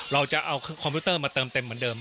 เราจะเอาคอมพิวเตอร์มาเติมเต็มเหมือนเดิม